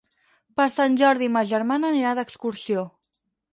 Per Sant Jordi ma germana anirà d'excursió.